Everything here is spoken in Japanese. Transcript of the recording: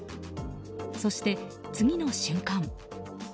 そして、次の瞬間。